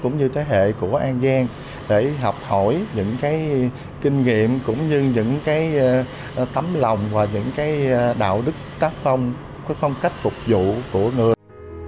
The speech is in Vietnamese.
cũng như thế hệ của an giang để học hỏi những kinh nghiệm cũng như những tấm lòng và những đạo đức tác phong phong cách phục vụ của người